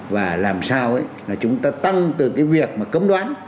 và làm sao là chúng ta tăng từ cái việc mà cấm đoán